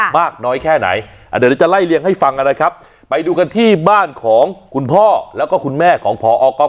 มากน้อยแค่ไหนเดี๋ยวเราจะไล่เลี่ยงให้ฟังนะครับไปดูกันที่บ้านของคุณพ่อแล้วก็คุณแม่ของพอก๊อฟ